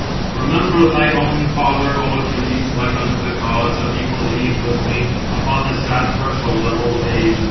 "Remember thy own father, O Achilles, like unto the gods, of equal age with me, upon the sad threshold of old age.